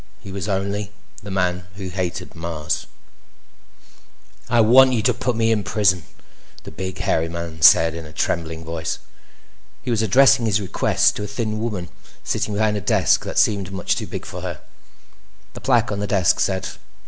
He was only—_ The Man Who Hated Mars By RANDALL GARRETT "I WANT you to put me in prison!" the big, hairy man said in a trembling voice. He was addressing his request to a thin woman sitting behind a desk that seemed much too big for her. The plaque on the desk said: LT.